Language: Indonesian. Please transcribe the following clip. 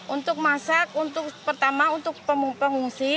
untuk masak untuk pertama untuk pengungsi